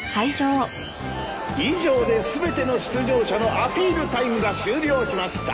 以上で全ての出場者のアピールタイムが終了しました。